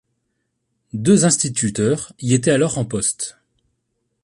Deux instituteurs y étaient alors en poste.